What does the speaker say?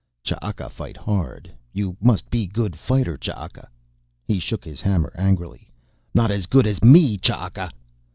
"Ch'aka fight hard. You must be good fighter Ch'aka." He shook his hammer angrily. "Not as good as me, Ch'aka!"